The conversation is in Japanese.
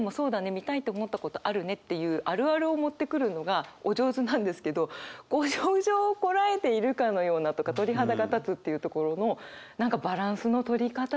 見たいと思ったことあるねっていうあるあるをもってくるのがお上手なんですけど「ご不浄をこらえているかのような」とか「鳥肌が立つ」っていうところの何かバランスの取り方ですかね。